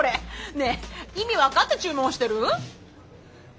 ねえ意味分かって注文してる？